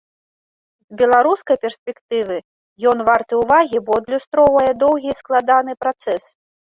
З беларускай перспектывы ён варты ўвагі, бо адлюстроўвае доўгі і складаны працэс.